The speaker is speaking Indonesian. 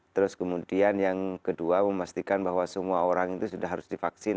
terus kemudian yang kedua memastikan bahwa semua orang itu sudah harus divaksin